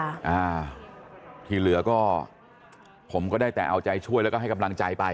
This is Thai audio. อ่าที่เหลือก็ผมก็ได้แต่เอาใจช่วยแล้วก็ให้กำลังใจไป